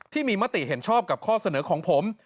มติเห็นชอบกับข้อเสนอของผม